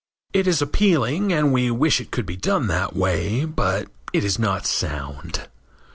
It is appealing and we wish it could be done that way, but it is not sound.